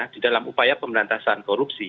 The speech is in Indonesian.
di dalam upaya pemberantasan korupsi